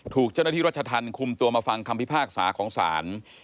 ถูกเจ้าหน้าที่รัชธรรมคุมตัวมาฟังคำพิพากษาของศาล